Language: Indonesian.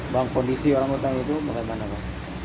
bang kondisi orang utang itu bagaimana bang